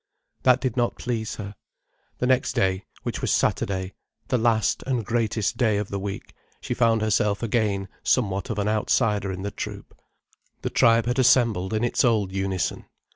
That did not please her. The next day, which was Saturday, the last and greatest day of the week, she found herself again somewhat of an outsider in the troupe. The tribe had assembled in its old unison.